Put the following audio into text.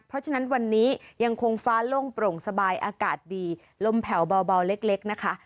เพราะฉะนั้นวันนี้ยังคงฟ้าโล่งโปร่งสบายอากาศดีลมแผ่วเบาเล็กนะคะ